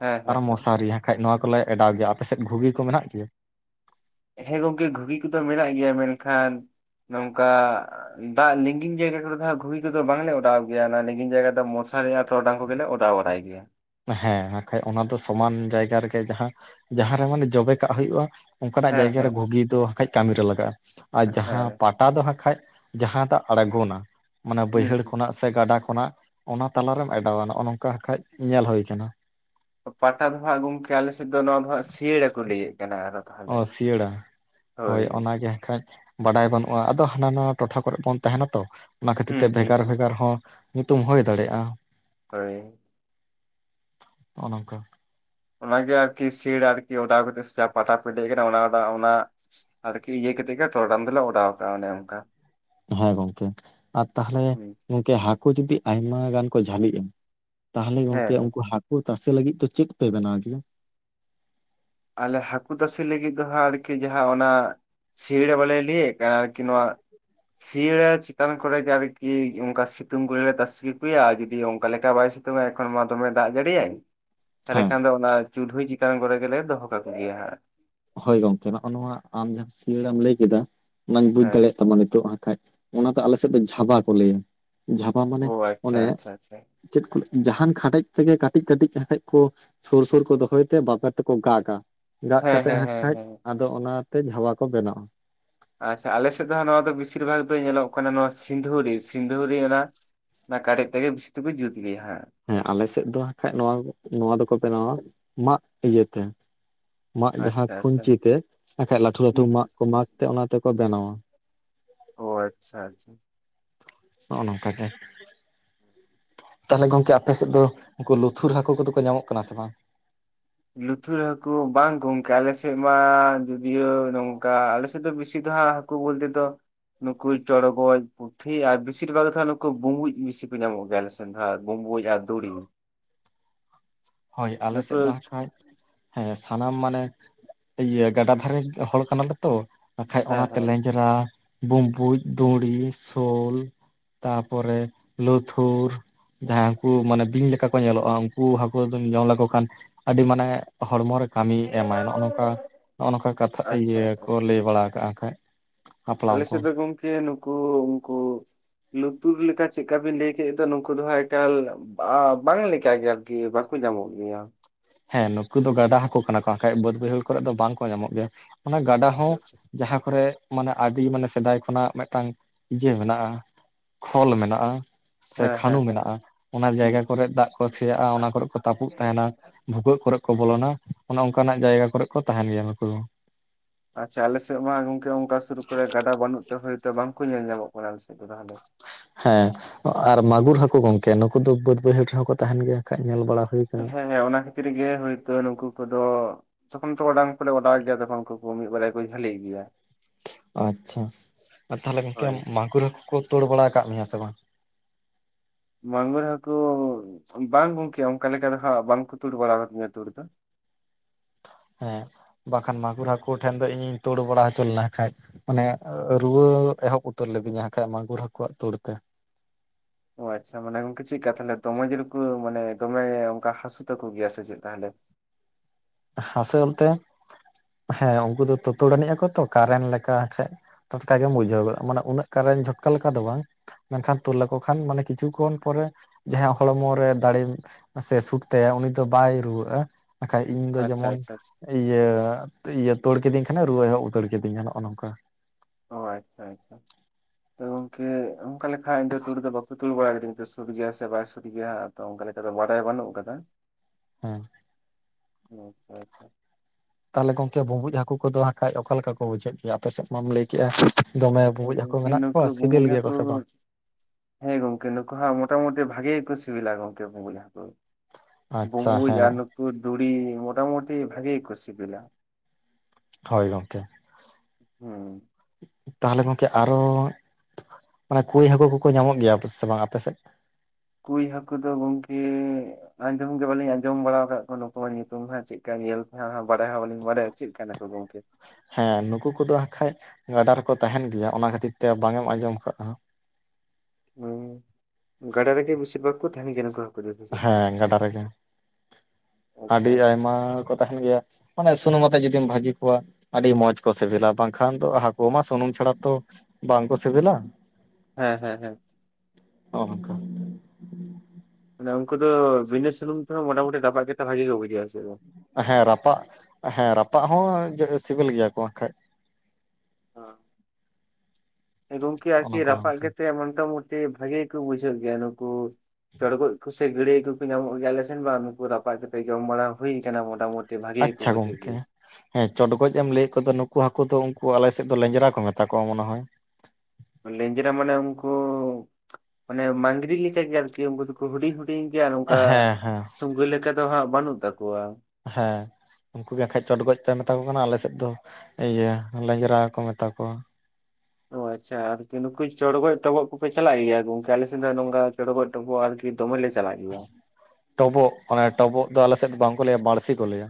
ᱦᱮᱸ ᱟᱨ ᱦᱮᱸ ᱦᱮᱸ ᱢᱚᱥᱟᱨᱤ ᱦᱟᱠᱷᱟᱡ ᱱᱚᱣᱟ ᱠᱚᱞᱮ ᱮᱰᱟᱣ ᱜᱮᱭᱟ ᱟᱯᱮᱥᱮᱫ ᱜᱷᱩᱜᱤ ᱠᱚ ᱢᱮᱱᱟᱜ ᱜᱮᱭᱟ? ᱦᱮᱸ ᱜᱚᱢᱠᱮ ᱜᱷᱩᱜᱤ ᱠᱚᱫᱚ ᱢᱮᱱᱟᱜ ᱜᱮᱭᱟ ᱢᱮᱱᱠᱷᱟᱱ ᱱᱚᱝᱠᱟ ᱫᱟᱜ ᱞᱤᱜᱤᱱ ᱡᱟᱜᱟ ᱠᱚᱨᱮ ᱫᱚ ᱦᱟᱸᱜ ᱜᱷᱩᱜᱤ ᱠᱚᱫᱚ ᱵᱟᱝᱞᱮ ᱚᱰᱟᱣ ᱜᱮᱭᱟ ᱚᱱᱟ ᱞᱤᱜᱤᱱ ᱡᱟᱭᱜᱟ ᱨᱮ ᱫᱚ ᱢᱚᱥᱟᱨᱤ ᱴᱚᱨᱟᱰᱟᱝ ᱠᱚ ᱜᱮ ᱚᱰᱟᱣ ᱵᱟᱲᱟᱭ ᱜᱮᱭᱟ ᱾ ᱦᱮᱸ ᱟᱠᱷᱟᱡ ᱚᱱᱟ ᱫᱚ ᱥᱚᱢᱟᱱ ᱡᱟᱭᱜᱟ ᱨᱮᱜᱮ ᱡᱟᱦᱟᱸ ᱡᱟᱦᱟᱸᱨᱮ ᱢᱟᱱᱮ ᱡᱚᱵᱮ ᱠᱟᱜ ᱦᱩᱭᱩᱜᱼᱟ ᱚᱱᱠᱟᱱᱟᱜ ᱦᱮᱸ ᱡᱟᱭᱜᱟ ᱨᱮ ᱦᱮᱸ ᱦᱮᱸ ᱜᱷᱩᱜᱤ ᱫᱚ ᱦᱟᱠᱷᱟᱡ ᱠᱟᱹᱢᱤ ᱨᱮ ᱞᱟᱜᱟᱜᱼᱟ ᱟᱨ ᱡᱟᱦᱟ ᱦᱮᱸ ᱯᱟᱴ ᱯᱟᱴᱟ ᱫᱚ ᱦᱟᱸᱜ ᱠᱷᱟᱡ ᱡᱟᱦᱟ ᱫᱟᱜ ᱟᱲᱜᱚᱱᱟ ᱢᱟᱱᱮ ᱦᱩᱸ ᱦᱩᱸ ᱵᱟᱹᱭᱦᱟᱹᱲ ᱠᱷᱚᱱᱟᱜ ᱥᱮ ᱜᱟᱰᱟ ᱠᱷᱚᱱᱟᱜ ᱚᱱᱟ ᱛᱟᱞᱟᱨᱮᱢ ᱚᱰᱟᱣᱟ ᱱᱚᱜᱼᱚ ᱱᱚᱝᱠᱟ ᱠᱷᱟᱡ ᱧᱮᱞ ᱦᱩᱭ ᱟᱠᱟᱱᱟ ᱯᱟᱴᱟ ᱫᱚ ᱦᱟᱸᱜ ᱜᱚᱝᱠᱮ ᱟᱞᱮᱥᱮᱫ ᱫᱚ ᱱᱚᱣᱟ ᱫᱚ ᱦᱟᱸᱜ ᱥᱤᱭᱟᱹᱲᱟ ᱠᱚ ᱞᱟᱹᱭ ᱮᱫ ᱠᱟᱱᱟ ᱟᱫᱚ ᱚ ᱥᱤᱭᱟᱹᱲᱟ ᱦᱚᱭ ᱚᱱᱟᱜᱮ ᱦᱟᱸᱠᱷᱟᱡ ᱵᱟᱰᱟᱭ ᱵᱟᱹᱱᱩᱜᱼᱟ ᱟᱫᱚ ᱦᱟᱱᱟ ᱱᱟᱣᱟ ᱴᱚᱴᱷᱟ ᱠᱚᱨᱮᱡ ᱵᱚᱱ ᱛᱟᱦᱮᱱᱟ ᱛᱚ ᱚᱱᱟ ᱠᱷᱟᱹᱛᱤᱨ ᱦᱩᱸ ᱛᱮ ᱦᱩᱸ ᱵᱷᱮᱜᱟᱨ ᱦᱩᱸ ᱵᱷᱮᱜᱟᱨ ᱦᱚᱸ ᱧᱩᱛᱩᱢ ᱦᱩᱭ ᱫᱟᱲᱮᱭᱟᱜᱼᱟ ᱾ ᱦᱳᱭ ᱱᱚᱝᱠᱟ ᱚᱱᱟᱜᱮ ᱟᱨᱠᱤ ᱥᱤᱨ ᱟᱨᱠᱤ [unintelligible] ᱠᱟᱛᱮ ᱯᱟᱛᱟ ᱠᱚ ᱫᱮᱡ ᱟᱠᱟᱱᱟ ᱚᱱᱟ ᱚᱱᱟ ᱟᱨᱠᱤ ᱤᱭᱟᱹᱠᱟᱛᱮᱜ ᱫᱚ ᱴᱚᱨᱚᱰᱟᱝ ᱫᱚᱞᱮ ᱚᱰᱟᱣ ᱠᱟ ᱚᱱᱠᱟ ᱾ ᱦᱮᱸ ᱜᱚᱢᱠᱮ ᱟᱨ ᱛᱟᱦᱮᱞᱮ ᱦᱩᱸ ᱜᱚᱢᱠᱮ ᱦᱟᱹᱠᱩ ᱡᱩᱫᱤ ᱟᱭᱢᱟ ᱜᱟᱱ ᱠᱚ ᱡᱷᱟᱹᱞᱤᱜᱼᱟ ᱛᱟᱦᱚᱞᱮ ᱜᱚᱝᱠᱮ ᱦᱮᱸ ᱦᱮᱸ ᱩᱱᱠᱩ ᱦᱟᱹᱠᱩ ᱛᱟᱥᱮ ᱞᱟᱹᱜᱤᱫ ᱛᱮ ᱪᱮᱫ ᱯᱮ ᱵᱮᱱᱟᱣ ᱜᱮᱭᱟ? ᱟᱞᱮ ᱦᱟᱹᱠᱩ ᱛᱟᱥᱤ ᱞᱟᱹᱜᱤᱫ ᱫᱚ ᱦᱟᱸᱜ ᱟᱨᱠᱤ ᱡᱟᱦᱟᱸ ᱚᱱᱟ ᱥᱤᱲ ᱵᱟᱞᱮ ᱞᱟᱹᱭᱠᱟᱜᱼᱟ ᱱᱚᱣᱟ ᱥᱤᱭᱟᱹᱲᱟ ᱪᱮᱛᱟᱱ ᱠᱚᱨᱮ ᱜᱮ ᱟᱨᱠᱤ ᱚᱱᱠᱟ ᱥᱤᱛᱩᱝ ᱠᱚ ᱛᱟᱥᱮ ᱥᱤᱭᱟ ᱡᱩᱫᱤ ᱚᱱᱠᱟ ᱞᱮᱠᱟ ᱵᱟᱭ ᱥᱤᱛᱩᱝ ᱟ ᱛᱚᱠᱷᱚᱱ ᱢᱟ ᱫᱚᱢᱮ ᱫᱟᱜ ᱡᱟᱹᱲᱤᱭᱟᱭ ᱛᱟᱦᱚᱞᱮ ᱦᱮᱸ ᱠᱷᱟᱱ ᱫᱚ ᱚᱱᱟ ᱪᱩᱞᱦᱩᱭ ᱪᱮᱛᱟᱱ ᱠᱚᱨᱮ ᱜᱮᱞᱮ ᱫᱚᱦᱚ ᱠᱟᱠᱚ ᱜᱮᱭᱟ ᱦᱟᱸᱜ ᱾ ᱦᱳᱭ ᱜᱚᱝᱠᱮ ᱱᱚᱜᱼᱚ ᱱᱚᱣᱟ ᱟᱢ ᱡᱟᱦᱟᱸ ᱥᱤᱭᱟᱹᱲᱟᱢ ᱞᱟᱹᱭ ᱠᱮᱫᱟ ᱚᱱᱟᱧ ᱵᱩᱡ ᱦᱮᱸ ᱫᱟᱲᱮᱭᱟᱜ ᱱᱤᱛᱚᱜ ᱟᱜ ᱠᱷᱟᱡ ᱚᱱᱟᱛᱮ ᱟᱞᱮᱥᱮᱫ ᱫᱚ ᱡᱷᱟᱵᱟ ᱠᱚ ᱞᱟᱹᱭᱟ ᱡᱷᱟᱵᱟ ᱢᱟᱱᱮ ᱚ ᱟᱪᱪᱷᱟ ᱚᱱᱮ ᱟᱪᱪᱷᱟ ᱟᱪᱪᱷᱟ ᱪᱮᱫ ᱠᱚ ᱡᱟᱦᱟᱱ ᱠᱷᱟᱰᱮᱡ ᱛᱮᱜᱮ ᱠᱟᱹᱴᱤᱡ ᱠᱟᱹᱴᱤᱡ ᱠᱷᱟᱴᱮᱡ ᱠᱚ ᱥᱩᱨ ᱥᱩᱨ ᱠᱚ ᱫᱚᱦᱚᱭ ᱛᱮ ᱵᱟᱵᱮᱨ ᱛᱮᱠᱚ ᱜᱟᱜᱼᱟ ᱜᱟᱜ ᱠᱟᱛᱮ ᱦᱮᱸ ᱦᱮᱸ ᱦᱮᱸ ᱦᱮᱸ ᱟᱫᱚ ᱚᱱᱟᱛᱮ ᱡᱷᱟᱣᱟ ᱠᱚ ᱵᱮᱱᱟᱜᱼᱟ ᱟᱪᱪᱷᱟ ᱟᱞᱮᱥᱮᱫ ᱫᱚ ᱦᱟᱸᱜ ᱱᱚᱣᱟ ᱫᱚ ᱵᱮᱥᱤᱨ ᱵᱷᱟᱜᱽ ᱫᱚ ᱧᱮᱞᱚᱜ ᱠᱟᱱᱟ ᱱᱚᱣᱟ ᱥᱤᱸᱫᱷᱩᱨᱤ ᱥᱤᱸᱫᱷᱩᱨᱤ ᱚᱱᱟ ᱚᱱᱟ ᱠᱟᱰᱮᱡ ᱛᱮᱜᱮ ᱵᱤᱥᱛᱤ ᱠᱚ ᱡᱩᱛ ᱜᱮᱭᱟ ᱦᱟᱸ ᱦᱮᱸ ᱟᱞᱮ ᱥᱮᱫ ᱫᱚ ᱦᱟᱸᱜ ᱠᱷᱟᱡ ᱱᱚᱣᱟ ᱱᱚᱣᱟ ᱫᱚᱠᱚ ᱵᱮᱱᱟᱣᱟ ᱢᱟᱫ ᱤᱭᱟᱹᱛᱮ ᱢᱟᱜ ᱡᱟᱦᱟᱸ ᱟᱪᱪᱷᱟ ᱟᱪᱪᱷᱟ ᱠᱷᱩᱧᱪᱤ ᱛᱮ ᱵᱟᱠᱷᱟᱡ ᱞᱟᱹᱴᱩ ᱞᱟᱹᱴᱩ ᱦᱩᱸ ᱢᱟᱜ ᱦᱩᱸ ᱠᱚ ᱢᱟᱜᱽ ᱛᱮ ᱚᱱᱟ ᱛᱮᱠᱚ ᱵᱮᱱᱟᱣᱟ ᱚ ᱟᱪᱪᱷᱟ ᱟᱪᱪᱷᱟ ᱱᱚᱜᱼᱚ ᱱᱚᱝᱠᱟ ᱜᱮ ᱾ ᱛᱟᱦᱚᱞᱮ ᱜᱚᱝᱠᱮ ᱟᱯᱮ ᱥᱮᱫ ᱫᱚ ᱩᱱᱠᱩ ᱞᱩᱛᱷᱩᱨ ᱦᱟᱹᱠᱩ ᱠᱚᱫᱚ ᱠᱚ ᱧᱟᱢᱚᱜ ᱠᱟᱱᱟ ᱥᱮ ᱵᱟᱝ? ᱞᱩᱛᱷᱩᱨ ᱦᱟᱹᱠᱩ, ᱵᱟᱝ ᱜᱚᱝᱠᱮ ᱟᱞᱮ ᱥᱮᱫ ᱢᱟ ᱡᱩᱫᱤᱭᱳ ᱱᱚᱝᱠᱟ ᱟᱞᱮ ᱥᱮᱫ ᱫᱚ ᱵᱮᱥᱤ ᱫᱚ ᱦᱟᱸᱜ ᱠᱩ ᱵᱚᱞᱛᱮ ᱛᱚ ᱱᱚᱠᱩ ᱪᱚᱲᱜᱚᱡ ᱯᱩᱛᱷᱤ ᱟᱨ ᱵᱤᱥᱤᱨ ᱵᱷᱟᱜᱽ ᱫᱚ ᱱᱩᱠᱩ ᱵᱩᱸᱵᱩᱡ ᱵᱤᱥᱤ ᱠᱚ ᱧᱟᱢᱚᱜ ᱜᱮᱭᱟ ᱟᱞᱮᱥᱮᱱ ᱫᱚ ᱟᱨ ᱵᱩᱸᱵᱩᱡ ᱟᱨ ᱫᱩᱲᱤ᱾ ᱦᱳᱭ ᱟᱞᱮ ᱥᱮᱫ ᱱᱩᱠᱩ ᱫᱚ ᱦᱟᱸᱜ ᱠᱷᱟᱡ ᱦᱮᱸ ᱥᱟᱱᱟᱢ ᱢᱟᱱᱮ, ᱤᱭᱟᱹ ᱜᱟᱰᱟ ᱫᱷᱟᱨᱮ ᱦᱚᱲ ᱠᱟᱱᱟᱞᱮ ᱛᱚ ᱵᱟᱠᱷᱟᱡ ᱦᱮᱸ ᱦᱮᱸ ᱚᱱᱟᱛᱮᱞᱮ ᱪᱮᱨᱟ ᱵᱩᱸᱵᱩᱡ, ᱫᱩᱲᱤ, ᱥᱳᱞ ᱛᱟ ᱯᱚᱨᱮ ᱞᱩᱛᱷᱩᱨ ᱡᱟᱦᱟᱸᱭ ᱩᱱᱠᱩ ᱢᱟᱱᱮ ᱵᱤᱧ ᱞᱮᱠᱟ ᱠᱚ ᱧᱮᱞᱚᱜ-ᱟ ᱩᱱᱠᱩ [unintelligible] ᱡᱚᱢ ᱞᱮᱠᱚ ᱠᱷᱟᱱ ᱟᱹᱰᱤ ᱢᱟᱱᱮ ᱦᱚᱲᱢᱚᱨ ᱠᱟᱹᱢᱤ ᱮᱢᱟᱭ ᱱᱚᱜ-ᱚ ᱱᱚᱝᱠᱟ ᱱᱚᱜ-ᱚ ᱱᱚᱝᱠᱟ ᱠᱟᱛᱷᱟ ᱟᱪᱪᱷᱟ ᱤᱭᱟᱹ ᱟᱪᱪᱷᱟ ᱠᱚ ᱟᱪᱪᱷᱟ ᱞᱟᱹᱭ ᱵᱟᱲᱟ ᱠᱟᱜ-ᱟ ᱠᱷᱟᱡ ᱦᱟᱯᱲᱟᱢ ᱟᱞᱮ ᱠᱚ ᱥᱮᱫ ᱜᱚᱝᱠᱮ ᱱᱩᱠᱩ ᱩᱱᱠᱩ ᱞᱩᱛᱩᱨ ᱞᱮᱠᱟ ᱪᱮᱜᱠᱟᱵᱤᱱ ᱞᱟᱹᱭ ᱠᱮᱫ ᱫᱚ ᱱᱩᱠᱩ ᱫᱚ ᱦᱟᱸᱜ ᱮᱠᱟᱞ ᱟ ᱵᱟᱝ ᱞᱮᱠᱟ ᱜᱮ ᱟᱨᱠᱤ ᱵᱟᱠᱚ ᱧᱟᱢᱚᱜ ᱜᱮᱭᱟ᱾ ᱦᱮᱸ ᱱᱩᱠᱩ ᱫᱚ ᱜᱟᱰᱟ ᱦᱟᱹᱠᱩ ᱠᱟᱱᱟ ᱠᱚ ᱠᱷᱟᱹᱡ ᱵᱟᱹᱫᱽ, ᱵᱟᱹᱭᱦᱟᱹᱲ ᱠᱚᱨᱮ ᱫᱚ ᱵᱟᱝ ᱠᱚ ᱧᱟᱢᱚᱜ ᱜᱮᱭᱟ ᱚᱱᱟ ᱜᱟᱰᱟ ᱦᱚᱸ ᱟᱪᱪᱷᱟ ᱟᱪᱪᱷᱟ ᱡᱟᱦᱟᱸ ᱠᱚᱨᱮ ᱢᱟᱱᱮ ᱟᱹᱰᱤ ᱢᱟᱱᱮ ᱥᱮᱫᱟᱭ ᱠᱷᱚᱱᱟᱜ ᱢᱤᱫᱴᱟᱝ ᱤᱭᱟᱹ ᱢᱮᱱᱟᱜ-ᱟ ᱠᱷᱚᱞ ᱢᱮᱱᱟᱜ-ᱟ᱾ ᱥᱮ ᱦᱮᱸ ᱠᱷᱟᱱᱩ ᱦᱮᱸ ᱦᱮᱸ ᱢᱮᱱᱟᱜ-ᱟ ᱚᱱᱟ ᱦᱩᱸ ᱡᱟᱭᱜᱟ ᱠᱚᱨᱮᱫ ᱫᱟᱜ ᱠᱚ ᱥᱮᱭᱟᱜ-ᱟ ᱚᱱᱟ ᱠᱚᱨᱮ ᱠᱚ ᱛᱟᱹᱯᱩᱜ ᱛᱟᱦᱮᱱᱟ᱾ ᱵᱷᱩᱜᱟᱹᱜ ᱠᱚᱨᱮ ᱠᱚ ᱵᱚᱞᱚᱱᱟ ᱚᱱᱚ ᱚᱱᱠᱟᱱᱟᱜ ᱡᱟᱭᱜᱟ ᱠᱚᱨᱮ ᱠᱚ ᱛᱟᱦᱮᱱ ᱜᱮᱭᱟ ᱱᱩᱠᱩ ᱫᱚ᱾ ᱟᱪᱪᱷᱟ ᱟᱞᱮᱥᱮᱫ ᱢᱟ ᱜᱚᱝᱠᱮ ᱚᱱᱠᱟ ᱥᱩᱨᱩ ᱠᱚᱨᱮ ᱜᱟᱰᱟ ᱵᱟᱹᱱᱩᱜ ᱛᱮ ᱦᱳᱭᱛᱳ ᱵᱟᱝᱠᱚ ᱧᱮᱞ ᱧᱟᱢᱚᱜ ᱠᱟᱱᱟ ᱟᱞᱮᱥᱮᱫ ᱫᱚ ᱛᱟᱦᱚᱞᱮ᱾ ᱦᱮᱸ ᱟᱨ ᱢᱟᱜᱩᱨ ᱦᱟᱹᱠᱩ ᱜᱚᱝᱠᱮ ᱱᱩᱠᱩ ᱫᱚ ᱵᱟᱹᱫ ᱵᱟᱹᱭᱦᱟᱹᱲ ᱨᱮᱦᱚᱸ ᱠᱚ ᱛᱟᱦᱮᱱ ᱜᱮᱭᱟ ᱠᱷᱟᱡ ᱧᱮᱞ ᱵᱟᱲᱟ ᱦᱩᱭ ᱦᱮᱸ ᱠᱟᱱᱟ᱾ ᱦᱮᱸ, ᱚᱱᱟ ᱠᱷᱟᱹᱛᱤᱨ ᱜᱮ ᱦᱳᱭᱛᱳ ᱱᱩᱠᱩ ᱠᱚᱫᱚ ᱛᱚᱠᱷᱚᱱ ᱴᱚᱨᱚᱰᱟᱝ ᱠᱚᱞᱮ ᱚᱰᱟᱣ ᱜᱮᱭᱟ ᱛᱚᱠᱷᱚᱱ ᱩᱱᱠᱩ ᱠᱚ ᱢᱤᱫ-ᱵᱟᱨᱭᱟ ᱠᱚ ᱡᱷᱟᱹᱞᱤᱜ ᱜᱮᱭᱟ᱾ ᱟᱪᱪᱷᱟ ᱛᱟᱦᱚᱞᱮ ᱜᱚᱝᱠᱮ ᱦᱳᱭ ᱢᱟᱜᱩᱨ ᱦᱟᱹᱠᱩ ᱠᱚ ᱛᱟᱹᱲ ᱵᱟᱲᱟ ᱟᱠᱟᱫ ᱢᱮᱭᱟ ᱥᱮ ᱵᱟᱝ? ᱢᱟᱜᱩᱨ ᱦᱟᱹᱠᱩ ᱵᱟᱝ ᱜᱚᱝᱠᱮ ᱚᱱᱠᱟ ᱞᱮᱠᱟ ᱫᱚ ᱦᱟᱸᱜ ᱵᱟᱝᱠᱚ ᱛᱩᱲ ᱵᱟᱲᱟ ᱟᱠᱟᱫᱤᱧᱟ ᱛᱩᱲ ᱫᱚ᱾ ᱦᱮᱸ ᱵᱟᱠᱷᱟᱱ ᱢᱟᱜᱩᱨ ᱦᱟᱹᱠᱩ ᱴᱷᱮᱱ ᱫᱚ ᱤᱧᱤᱧ ᱛᱩᱲ ᱵᱟᱲᱟ ᱦᱚᱪᱚ ᱞᱮᱱᱟ ᱦᱟᱜ ᱠᱷᱟᱡ ᱚᱱᱮ ᱨᱩᱣᱟᱹ ᱮᱦᱚᱵ ᱩᱛᱟᱹᱨ ᱞᱤᱫᱤᱧᱟ ᱦᱟᱜ ᱠᱷᱟᱡ ᱢᱟᱜᱩᱨ ᱦᱟᱹᱠᱩᱣᱟᱜ ᱛᱳᱲ ᱛᱮ᱾ ᱚ ᱟᱪᱪᱷᱟ ᱢᱟᱱᱮ ᱜᱚᱝᱠᱮ ᱪᱮᱜᱠᱟ ᱛᱟᱦᱚᱞᱮ ᱫᱚᱢᱮ ᱡᱳᱨ ᱠᱚ ᱢᱟᱱᱮ ᱫᱚᱢᱮ ᱚᱱᱠᱟ ᱦᱟᱹᱥᱩ ᱛᱟᱠᱚ ᱜᱮᱭᱟ ᱥᱮ ᱪᱮᱫ ᱛᱟᱦᱚᱞᱮ? ᱦᱟᱹᱥᱩ ᱚᱱᱛᱮ ᱦᱮᱸ ᱩᱱᱠᱩ ᱫᱚ ᱛᱳᱛᱳᱲ ᱟᱹᱱᱤᱡ ᱟᱠᱚ ᱛᱚ ᱠᱟᱨᱮᱱᱴ ᱞᱮᱠᱟ ᱠᱷᱟ ᱴᱚᱴᱠᱟ ᱜᱮᱢ ᱵᱩᱡᱷᱟᱹᱣ ᱜᱚᱫᱟ ᱢᱟᱱᱮ ᱩᱱᱟᱹᱜ ᱠᱟᱨᱮᱱᱴ ᱡᱷᱚᱴᱠᱟ ᱞᱮᱠᱟ ᱫᱚ ᱵᱟᱝ᱾ ᱢᱮᱱᱠᱷᱟᱱ ᱛᱩᱲ ᱞᱮᱠᱚ ᱠᱷᱟᱱ ᱢᱟᱱᱮ ᱠᱤᱪᱷᱩ ᱠᱷᱚᱱ ᱯᱚᱨᱮ ᱡᱟᱦᱟᱸᱭᱟᱜ ᱦᱚᱲᱢᱚ ᱨᱮ ᱫᱟᱲᱮ ᱥᱮ ᱥᱩᱴ ᱛᱟᱭᱟ ᱩᱱᱤ ᱫᱚᱚ ᱵᱟᱭ ᱨᱩᱣᱟᱹᱜᱼᱟ᱾ ᱵᱟᱠᱷᱟᱡ ᱤᱧ ᱫᱚ ᱟᱪᱪᱷᱟ ᱡᱮᱢᱚᱱ ᱟᱪᱪᱷᱟ ᱟᱪᱪᱷᱟ ᱤᱭᱟᱹ ᱤᱭᱟᱹ ᱛᱳᱲ ᱠᱤᱫᱤᱧ ᱠᱷᱟᱱᱮ ᱨᱩᱣᱟᱹ ᱮᱦᱚᱵ ᱩᱛᱟᱹᱲ ᱠᱤᱫᱤᱧᱟ ᱱᱚᱜᱼᱚ ᱱᱚᱝᱠᱟ᱾ ᱚ ᱟᱪᱪᱷᱟ ᱟᱪᱪᱷᱟ ᱛᱚ ᱜᱚᱝᱠᱮ ᱚᱱᱠᱟ ᱞᱮᱠᱷᱟᱡ ᱫᱚ ᱛᱩᱲ ᱫᱚ ᱵᱟᱠᱚ ᱛᱩᱲ ᱵᱟᱲᱟ ᱠᱟᱹᱫᱤᱧᱟ ᱥᱩᱴ ᱜᱮᱭᱟ ᱥᱮ ᱵᱟᱭ ᱥᱩᱴ ᱜᱮᱭᱟ ᱛᱚ ᱚᱱᱠᱟ ᱞᱮᱠᱟ ᱫᱚ ᱵᱟᱰᱟᱭ ᱵᱟᱹᱱᱩᱜ ᱠᱟᱫᱟ᱾ ᱦᱮᱸ᱾ ᱚ ᱟᱪᱪᱷᱟ ᱟᱪᱪᱷᱟ᱾ ᱛᱟᱦᱚᱞᱮ ᱜᱚᱝᱠᱮ ᱵᱩᱸᱵᱩᱡ ᱦᱟᱹᱠᱩ ᱠᱚᱫᱚ ᱦᱟᱸᱜ ᱠᱷᱟᱡ ᱚᱠᱟ ᱞᱮᱠᱟ ᱠᱚ ᱵᱩᱡᱷᱟᱹᱜ ᱜᱮᱭᱟ ᱟᱯᱮ ᱥᱮᱫ ᱢᱟᱢ ᱞᱟᱹᱭ ᱠᱮᱼᱟ? ᱫᱚᱢᱮ ᱟᱨ ᱵᱩᱸᱵᱩᱡ ᱦᱟᱹᱠᱩ ᱜᱚᱝᱠᱮ ᱢᱮᱱᱟᱜ ᱱᱩᱠᱩ ᱠᱚᱣᱟ ᱥᱤᱵᱤᱞ ᱵᱩᱸᱵᱩᱡ ᱜᱮᱭᱟ ᱠᱚ ᱦᱟᱹᱠᱩ ᱥᱮ ᱵᱟᱝ? ᱦᱮᱸ ᱜᱚᱝᱠᱮ ᱱᱩᱠᱩ ᱦᱟᱜ ᱢᱚᱴᱟᱢᱩᱴᱤ ᱵᱷᱟᱜᱮ ᱜᱮ ᱠᱚ ᱥᱤᱵᱤᱞᱟ ᱜᱚᱝᱠᱮ ᱵᱩᱸᱵᱩᱡ ᱦᱟᱹᱠᱩ᱾ ᱟᱪᱪᱷᱟ ᱵᱩᱸᱵᱩᱡ ᱦᱮᱸ ᱟᱨ ᱱᱩᱠᱩ ᱫᱩᱲᱤ ᱢᱚᱴᱟᱢᱩᱴᱤ ᱵᱷᱟᱜᱮ ᱠᱚ ᱥᱤᱵᱤᱞᱟ᱾ ᱦᱳᱭ ᱜᱚᱝᱠᱮ᱾ ᱦᱩᱸ ᱛᱟᱦᱚᱞᱮ ᱜᱚᱝᱠᱮ ᱟᱨᱚ ᱚᱱᱮ ᱠᱳᱭ ᱦᱟᱹᱠᱩ ᱠᱚᱠᱚ ᱧᱟᱢᱚᱜ ᱜᱮᱭᱟ ᱥᱮ ᱵᱟᱝ ᱟᱯᱮ ᱥᱮᱫ? ᱠᱳᱭ ᱦᱟᱹᱠᱩ ᱫᱚ ᱜᱚᱝᱠᱮ ᱟᱸᱡᱚᱢᱜᱮ ᱵᱟᱹᱞᱤᱧ ᱟᱸᱡᱚᱢ ᱵᱟᱲᱟ ᱟᱠᱟᱫ ᱠᱚᱣᱟ ᱱᱩᱠᱩ ᱟᱜ ᱧᱩᱛᱩᱢ ᱦᱟᱸᱜ ᱪᱮᱫ ᱠᱟ ᱧᱮᱞ ᱛᱮᱦ ᱦᱚᱸᱜ ᱵᱟᱰᱟᱭ ᱦᱚᱸ ᱵᱟᱞᱤᱧ ᱵᱟᱰᱟᱭᱟ ᱪᱮᱫ ᱞᱮᱠᱟ ᱱᱟᱠᱚ ᱜᱚᱝᱠᱮ᱾ ᱦᱮᱸ ᱱᱩᱠᱩ ᱠᱚᱫᱚ ᱦᱟᱸᱜ ᱠᱷᱟᱡ ᱜᱟᱰᱟ ᱨᱮᱠᱚ ᱛᱟᱦᱮᱱ ᱜᱮᱭᱟ ᱚᱱᱟ ᱠᱷᱟᱹᱛᱤᱨ ᱛᱮ ᱵᱟᱝ ᱮᱢ ᱟᱸᱡᱚᱢ ᱠᱟᱜᱼᱟ᱾ ᱢᱟᱱᱮ ᱜᱟᱰᱟ ᱨᱮᱜᱮ ᱵᱤᱥᱤᱨ ᱵᱷᱟᱜ ᱠᱚ ᱛᱟᱦᱮᱸᱱ ᱜᱤᱭᱟ ᱱᱩᱠᱩ ᱫᱚ ᱥᱮ ᱪᱮᱫ? ᱦᱮᱸ ᱜᱟᱰᱟ ᱨᱮᱜᱮ ᱟᱪᱪᱷᱟ ᱟᱹᱰᱤ ᱟᱭᱢᱟ ᱠᱚ ᱛᱟᱦᱮᱱ ᱜᱮᱭᱟ᱾ ᱚᱱᱮ ᱥᱩᱱᱩᱢ ᱟᱛᱮᱜ ᱡᱩᱫᱤᱢ ᱵᱷᱟᱹᱡᱤ ᱠᱚᱣᱟ ᱟᱹᱰᱤ ᱢᱚᱸᱪ ᱠᱚ ᱥᱤᱵᱤᱞᱟ ᱵᱟᱝᱠᱷᱟᱱ ᱫᱚ ᱦᱟᱹᱠᱩ ᱢᱟ ᱥᱩᱱᱩᱢ ᱪᱷᱟᱲᱟ ᱛᱚ ᱵᱟᱝᱠᱚ ᱥᱤᱵᱤᱞᱟ᱾ ᱦᱮᱸ ᱦᱮᱸ ᱦᱮᱸ᱾ ᱚᱱ ᱚᱝᱠᱟ᱾ ᱢᱟᱱᱮ ᱩᱱᱠᱩ ᱫᱚ ᱵᱤᱱᱟᱹ ᱥᱩᱱᱩᱢ ᱛᱮᱦᱚᱸ ᱢᱚᱴᱟᱢᱩᱴᱤ ᱨᱟᱯᱟᱜ ᱠᱟᱛᱮ ᱵᱷᱟᱜᱤ ᱠᱚ ᱵᱩᱡᱷᱟᱜᱼᱟ ᱥᱮ ᱪᱮᱫ ᱜᱚᱝ? ᱦᱮᱸ ᱨᱟᱯᱟᱜ ᱦᱮᱸ ᱨᱟᱯᱟᱜ ᱦᱚᱸ ᱡᱮ ᱥᱤᱵᱤᱞ ᱜᱮᱭᱟ ᱠᱚ ᱦᱟᱜ ᱠᱷᱟᱡ᱾ ᱦᱚᱸ, ᱦᱮᱸ ᱜᱚᱢᱠᱮ ᱱᱚᱜᱼᱚ ᱟᱨᱠᱤ ᱱᱚᱝᱠᱟ ᱨᱟᱯᱟᱜ ᱜᱚᱝᱠᱮ ᱠᱟᱛᱮᱜ ᱢᱚᱴᱟᱢᱩᱴᱤ ᱵᱷᱟᱜᱮ ᱜᱮ ᱠᱚ ᱵᱩᱡᱷᱟᱹᱜ ᱜᱮᱭᱟ ᱱᱩᱠᱩ ᱪᱚᱲᱜᱚᱡ ᱠᱩ, ᱥᱮ ᱜᱟᱹᱲᱟᱹᱭ ᱠᱚᱠᱚ ᱧᱟᱢᱚᱜ ᱜᱮᱭᱟ ᱟᱞᱮ ᱥᱮᱱ ᱵᱟᱝ ᱱᱩᱠᱩ ᱨᱟᱯᱟᱜ ᱠᱟᱛᱮ ᱡᱚᱢ ᱵᱟᱲᱟ ᱦᱩᱭ ᱠᱟᱱᱟ ᱢᱚᱴᱟᱢᱚᱴ᱾ ᱟᱪᱪᱷᱟ ᱜᱚᱝᱠᱮ, ᱦᱮᱸ ᱪᱚᱰᱜᱚᱡ ᱮᱢ ᱞᱟᱹᱭᱮᱫ ᱠᱚᱫᱚ ᱱᱩᱠᱩ ᱦᱟᱹᱠᱩ ᱫᱚ ᱩᱱᱠᱩ ᱟᱞᱮᱥᱮᱫ ᱫᱚ ᱞᱮᱸᱡᱽᱨᱟ ᱠᱚ ᱢᱮᱛᱟ ᱠᱚᱣᱟ ᱢᱚᱱᱮ ᱦᱳᱭ᱾ ᱞᱮᱸᱡᱽᱨᱟ ᱢᱟᱱᱮ ᱩᱱᱠᱩ‌ ᱢᱟᱱᱮ ᱢᱟᱹᱝᱜᱨᱤ ᱞᱮᱠᱟ ᱜᱮ ᱟᱨᱠᱤ ᱩᱱᱠᱩ ᱦᱩᱰᱤᱧ ᱦᱩᱰᱤᱧ ᱜᱮᱭᱟ ᱟᱨ ᱱᱚᱝᱠᱟ ᱦᱮᱸ ᱦᱮᱸ ᱥᱩᱜᱟᱹ ᱞᱮᱠᱟ ᱫᱚ ᱦᱟᱸᱜ ᱵᱟᱹᱱᱩᱜ ᱛᱟᱠᱚᱣᱟ᱾ ᱦᱮᱸ, ᱩᱱᱠᱩ ᱜᱮ ᱦᱟᱜ ᱠᱷᱟᱡ ᱪᱚᱰᱜᱚᱡ ᱯᱮ ᱢᱮᱛᱟ ᱠᱚ ᱠᱟᱱᱟ ᱟᱞᱮᱥᱮᱫ ᱫᱚ ᱤᱭᱟᱹ ᱞᱮᱸᱡᱽᱨᱟ ᱠᱚ ᱢᱮᱛᱟ ᱠᱚᱣᱟ᱾ ᱚ ᱟᱪᱪᱷᱟ ᱟᱨᱠᱤ ᱱᱩᱠᱩ ᱪᱚᱲᱜᱚᱡ ᱴᱚᱵᱚᱜ ᱠᱚᱯᱮ ᱪᱟᱞᱟᱜ ᱜᱮᱭᱟ ᱜᱚᱝᱠᱮ ᱟᱞᱮᱥᱮᱫ ᱫᱚ ᱱᱚᱝᱠᱟ ᱪᱚᱲᱜᱚᱡ ᱴᱚᱵᱚᱜ ᱟᱨᱠᱤ ᱫᱚᱢᱮᱞᱮ ᱞᱮ ᱪᱟᱞᱟᱜ ᱜᱮᱭᱟ᱾ ᱴᱚᱵᱚᱜ ᱚᱱᱟ ᱴᱚᱵᱚᱜ ᱫᱚ ᱟᱞᱮᱥᱮᱫ ᱫᱚ ᱵᱟᱝᱠᱚ ᱞᱟᱹᱭᱟ ᱵᱟᱹᱲᱥᱤ ᱠᱚ ᱞᱟᱹᱭᱟ᱾